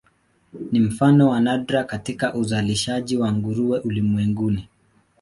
Ni mfano wa nadra katika uzalishaji wa nguruwe ulimwenguni.